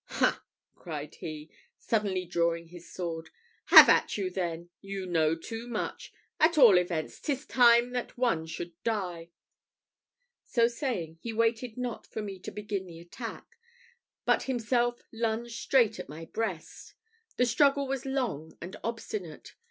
"Ha!" cried he, suddenly drawing his sword, "have at you then. You know too much! At all events, 'tis time that one should die." So saying, he waited not for me to begin the attack, but himself lunged straight at my breast. The struggle was long and obstinate.